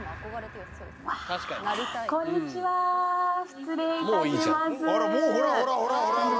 失礼いたします